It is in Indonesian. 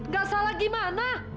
gak salah gimana